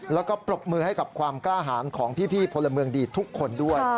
แล้วก็ปรบมือให้กับความกล้าหารของพี่พลเมืองดีทุกคนด้วย